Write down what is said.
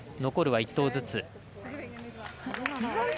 残るは１投ずつ。